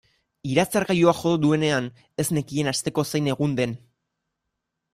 Iratzargailuak jo duenean ez nekien asteko zein egun den.